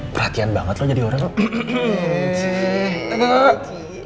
perhatian banget lo jadi orang kok